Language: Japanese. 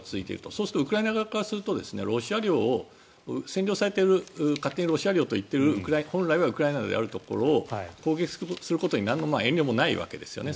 そうするとウクライナ側からするとロシア領を、占領されている勝手にロシア領と言っている本来はウクライナであるところを攻撃することになんの遠慮もないわけですよね。